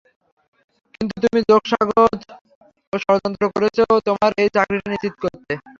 কিন্তু তুমি যোগসাজশ ও যড়যন্ত্র করেছ তোমার এই চাকরিটা নিশ্চিত করতে।